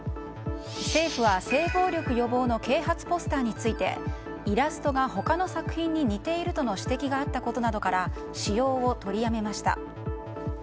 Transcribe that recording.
政府は性暴力予防の啓発ポスターについてイラストが他の作品に似ているとの指摘があったことなどから使用を取りやめました。